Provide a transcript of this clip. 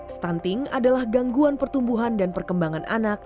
stunting adalah gangguan pertumbuhan dan perkembangan anak